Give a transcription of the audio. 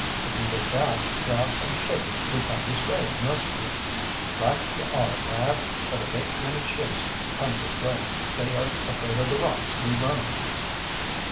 If we did that, perhaps some ship would come this way and rescue us." "Right ye are, lad, but it aint many ships come this way. They are afraid o' the rocks we run on."